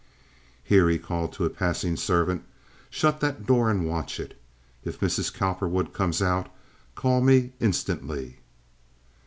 "Here," he called to a passing servant, "shut that door and watch it. If Mrs. Cowperwood comes out call me instantly."